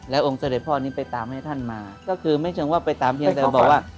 องค์เสด็จพ่อนี้ไปตามให้ท่านมาก็คือไม่เชิงว่าไปตามเพียงแต่บอกว่า